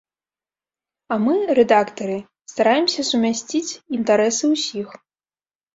А мы, рэдактары, стараемся сумясціць інтарэсы ўсіх.